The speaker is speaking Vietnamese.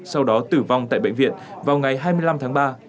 sau đó tử vong tại bệnh viện vào ngày hai mươi năm tháng ba